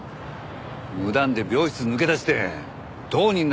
無断で病室抜け出してどこにいるんだ？